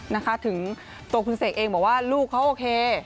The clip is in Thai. นะคะถึงตัวคุณเสกเองบอกว่าลูกเขาโอเค